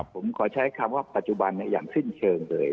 ผมขอใช้คำว่าปัจจุบันอย่างสิ้นเชิงเลย